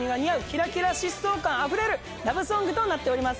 キラキラ疾走感あふれるラブソングとなっております。